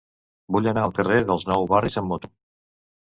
Vull anar al carrer dels Nou Barris amb moto.